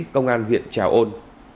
công an huyện trà ôn